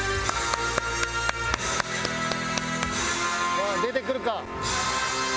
さあ出てくるか？